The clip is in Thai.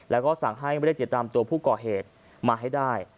แล้วก็สั่งให้ไม่ได้ติดตามตัวผู้ก่อเหตุมาให้ได้